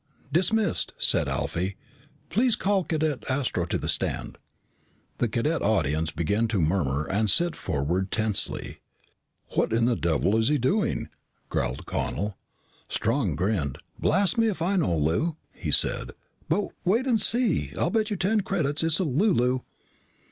"Dismissed," said Alfie. "Please call Cadet Astro to the stand." The cadet audience began to murmur and sit forward tensely. "What the devil is he doing?" growled Connel. Strong grinned. "Blast me if I know, Lou," he said. "But wait and see. I'll bet you ten credits it's a lulu."